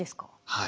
はい。